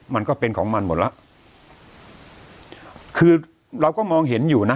มันก็เป็นของมันหมดแล้วคือเราก็มองเห็นอยู่นะ